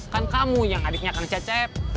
kan kamu yang adiknya kang cecep